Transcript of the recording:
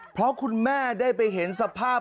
เพราะคุณแม่ได้ไปเห็นสภาพ